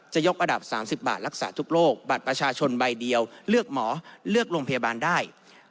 ยกระดับ๓๐บาทรักษาทุกโรคบัตรประชาชนใบเดียวเลือกหมอเลือกโรงพยาบาลได้